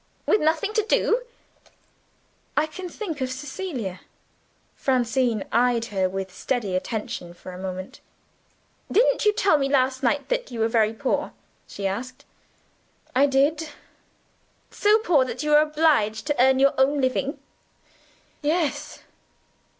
"With nothing to do?" "I can think of Cecilia." Francine eyed her with steady attention for a moment. "Didn't you tell me last night that you were very poor?" she asked. "I did." "So poor that you are obliged to earn your own living?" "Yes."